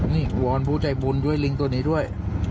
นี่วอนผู้ใจบุญด้วยลิงตัวนี้ด้วย